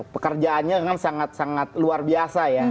pekerjaannya kan sangat sangat luar biasa ya